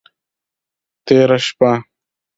تیره شپه…